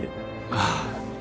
ああ。